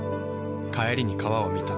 帰りに川を見た。